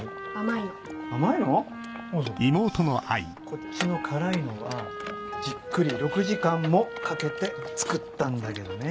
こっちの辛いのはじっくり６時間もかけて作ったんだけどね。